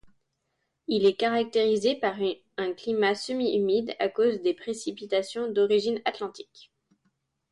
Il est caractérisée par un climat semi humide à cause des précipitations d’origine atlantique.